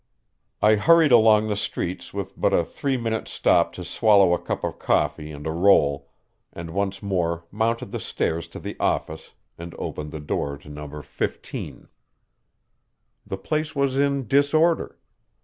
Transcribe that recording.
I hurried along the streets with but a three minute stop to swallow a cup of coffee and a roll, and once more mounted the stairs to the office and opened the door to Number 15. The place was in disorder.